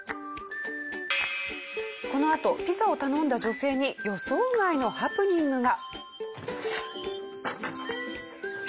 このあとピザを頼んだ女性に予想外のハプニングが。